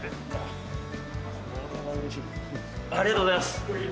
ありがとうございます。